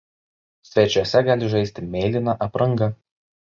Svečiuose gali žaisti mėlyna apranga.